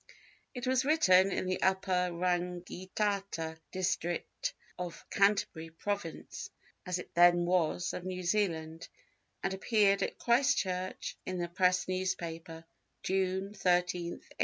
It was written in the Upper Rangitata district of Canterbury Province (as it then was) of New Zealand, and appeared at Christchurch in the Press newspaper, June 13, 1863.